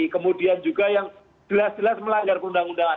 kemudian juga yang jelas jelas melanggar perundang undangan